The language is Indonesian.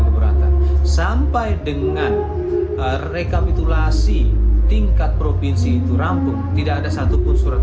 keberatan sampai dengan rekapitulasi tingkat provinsi itu rampung tidak ada satupun surat